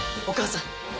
お母さん。